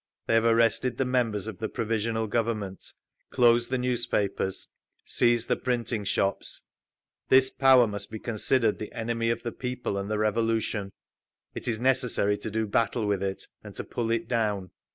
They have arrested the members of the Provisional Government, closed the newspapers, seized the printing shops….This power must be considered the enemy of the people and the Revolution; it is necessary to do battle with it, and to pull it down….